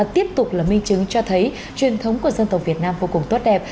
tiếp tục là minh chứng cho thấy truyền thống của dân tộc việt nam vô cùng tốt đẹp